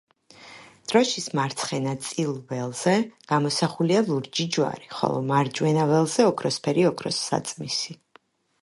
დროშის მარცხენა წილ ველზე გამოსახულია ლურჯი ჯვარი, ხოლო მარჯვენა ველზე ოქროსფერი ოქროს საწმისი.